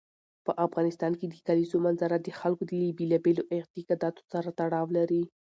په افغانستان کې د کلیزو منظره د خلکو له بېلابېلو اعتقاداتو سره تړاو لري.